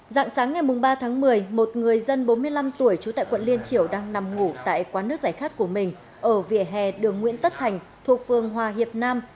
dạng sáng ngày ba tháng một mươi một người dân bốn mươi năm tuổi trú tại quận liên triểu đang nằm ngủ tại quán nước giải khát của mình ở vỉa hè đường nguyễn tất thành thuộc phương hòa hiệp nam